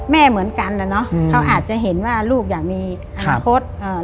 แม่เหมือนกันน่ะเนอะเขาอาจจะเห็นว่าลูกอยากมีอนาคตอ่า